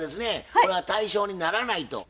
これは対象にならないと？